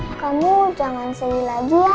eh kamu jangan sedih lagi ya